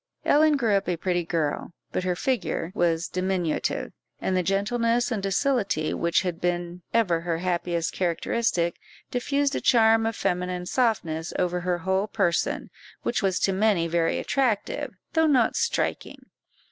Ellen grew up a pretty girl, but her figure was diminutive, and the gentleness and docility which had been ever her happiest characteristic, diffused a charm of feminine softness over her whole person, which was to many very attractive, though not striking.